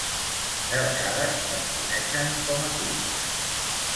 De vegades es coneixen com a "cucs".